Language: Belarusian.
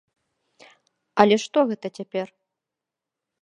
Але што гэта цяпер!